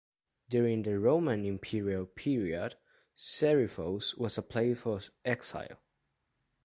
During the Roman imperial period, Serifos was a place of exile.